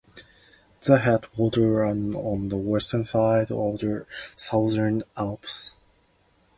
The headwaters are on the western side of the Southern Alps.